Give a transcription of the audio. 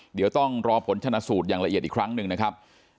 เดี๋ยวต้องรอผลชนะสูตรอย่างละเอียดอีกครั้งหนึ่งนะครับ